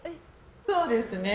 そうですね。